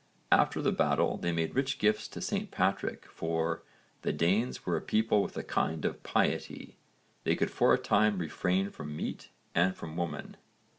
After the battle they made rich gifts to St Patrick for 'the Danes were a people with a kind of piety: they could for a time refrain from meat and from women.'